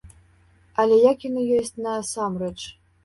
Але як яно ёсць насамрэч?